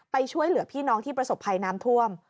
ไปช่วยเหลือพี่น้องที่ประสบภัยน้ำท่วม